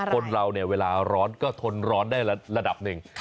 คนเราเนี่ยเวลาร้อนก็ทนร้อนได้ระดับหนึ่ง